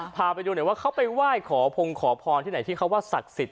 พาไปดูหน่อยว่าเขาไปไหว้ขอพงขอพรที่ไหนที่เขาว่าศักดิ์สิทธิ